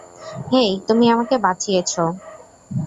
হেই, তুমি আমাকে বাঁচিয়েছো।